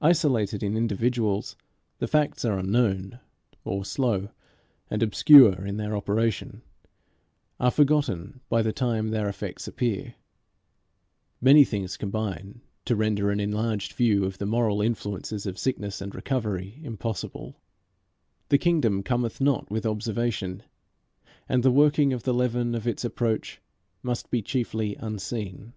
Isolated in individuals, the facts are unknown; or, slow and obscure in their operation, are forgotten by the time their effects appear. Many things combine to render an enlarged view of the moral influences of sickness and recovery impossible. The kingdom cometh not with observation, and the working of the leaven of its approach must be chiefly unseen.